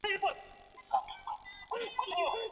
لمسي د خپلې نیا لاس ښکل کړ.